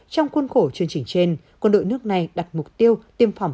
trong khuôn khổ chương trình trên quân đội nước này đặt mục tiêu tiêm phòng